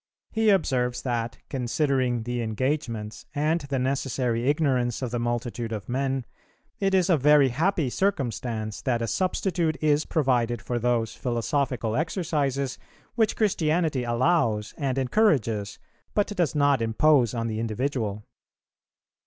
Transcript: He observes that, considering the engagements and the necessary ignorance of the multitude of men, it is a very happy circumstance that a substitute is provided for those philosophical exercises, which Christianity allows and encourages, but does not impose on the individual.